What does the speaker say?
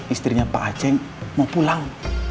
istrinya pak aceng mau pulang